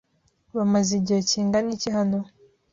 Bamaze igihe kingana iki hano?